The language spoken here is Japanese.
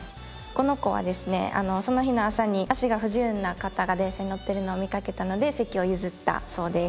この子はですねその日の朝に脚が不自由な方が電車に乗ってるのを見かけたので席を譲ったそうです。